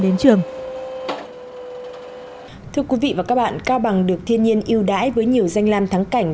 đến trường thưa quý vị và các bạn cao bằng được thiên nhiên ưu đãi với nhiều danh lam thắng cảnh